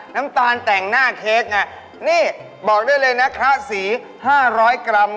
น้ำตาลแต่งหน้าเคสนี่บอกด้วยเลยนะครับสี๕๐๐กรัมครับผม